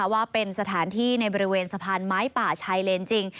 ว่าเป็นสถานที่ในบริเวณสะพานไม้ป่าชายเลนจริง